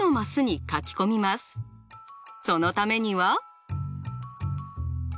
そのためには。